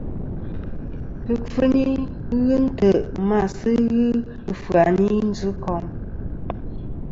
Kɨkfuni ghɨ ntè' ma a sɨ ghɨ ɨfyayn i njɨkom.